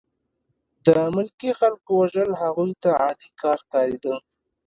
د ملکي خلکو وژل هغوی ته عادي کار ښکارېده